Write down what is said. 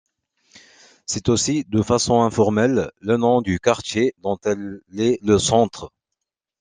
C'est aussi, de façon informelle, le nom du quartier dont elle est le centre.